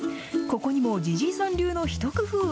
ここにもｊｉｊｉｉさん流の一工夫。